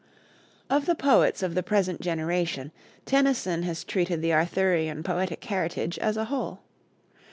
Of the poets of the present generation, Tennyson has treated the Arthurian poetic heritage as a whole.